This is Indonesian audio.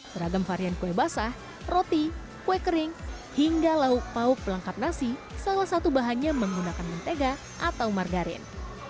beragam varian kue basah roti kue kering hingga lauk pauk pelengkap nasi salah satu bahannya menggunakan mentega atau margarin